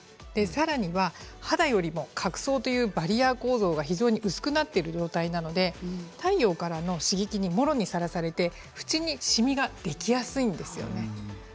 さらには肌よりも隠そうというバリアー構造が薄くなっている状態なので太陽からの刺激にもろにさらされて縁にしみができやすいんですよね。